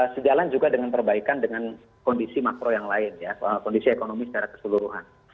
sejalan juga dengan perbaikan dengan kondisi makro yang lain ya kondisi ekonomi secara keseluruhan